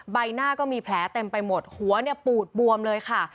ใบหน้าก็มีแผลเต็มไปหมดหัวเนี่ยปูดบวมเลยค่ะ